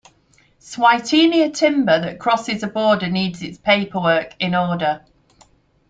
"Swietenia" timber that crosses a border needs its paperwork in order.